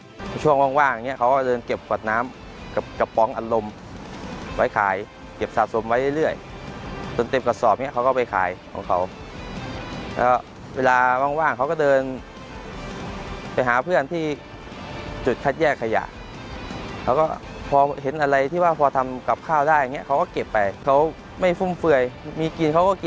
วันนี้คุณสุพรสำอางเพชรเป็นรอพอด้วยกันที่คุณสุพรสำอางเพชรเป็นรอพอด้วยกันที่คุณสุพรสำอางเพชรเป็นรอพอด้วยกันที่คุณสุพรสำอางเพชรเป็นรอพอด้วยกันที่คุณสุพรสำอางเพชรเป็นรอพอด้วยกันที่คุณสุพรสำอางเพชรเป็นรอพอด้วยกันที่คุณสุพรสำอางเพชรเป็นรอพอด้วยกันที่คุณสุพรสำอางเพชร